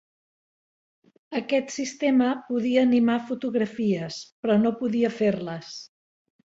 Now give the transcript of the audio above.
Aquest sistema podia animar fotografies, però no podia fer-les.